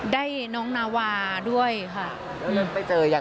ได้น้องนาวาด้วยค่ะ